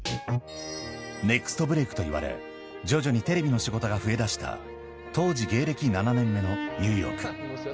ネクストブレイクといわれ、徐々にテレビの仕事が増えだした、当時芸歴７年目のニューヨーク。